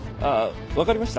わかりました。